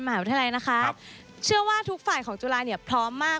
มหาวิทยาลัยนะคะเชื่อว่าทุกฝ่ายของจุฬาเนี่ยพร้อมมาก